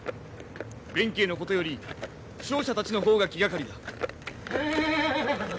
弁慶のことより負傷者たちの方が気がかりだ。